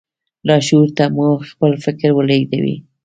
لاشعور ته مو خپل فکر ولېږدوئ.